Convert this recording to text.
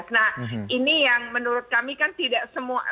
nah ini yang menurut kami kan tidak semua